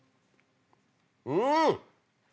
うん！